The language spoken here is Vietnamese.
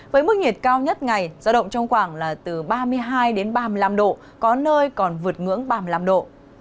với mức nhiệt cao nhất ngày giao động trong khoảng là từ ba mươi hai đến ba mươi năm độ có nơi còn vượt ngưỡng ba mươi năm độ